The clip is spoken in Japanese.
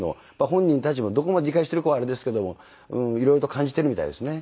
本人たちもどこまで理解しているかはあれですけども色々と感じているみたいですね。